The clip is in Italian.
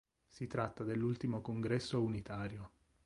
Si tratta dell'ultimo congresso unitario.